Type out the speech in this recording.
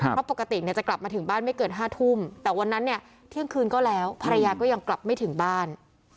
เพราะปกติเนี่ยจะกลับมาถึงบ้านไม่เกิน๕ทุ่มแต่วันนั้นเนี่ยเที่ยงคืนก็แล้วภรรยาก็ยังกลับไม่ถึงบ้าน